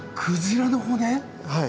はい。